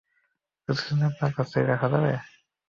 কিছুদিন আপনার কাছে রাখা যাবে?